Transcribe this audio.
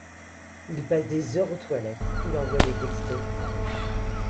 Il passe des heures aux toilettes, il envoie des textos.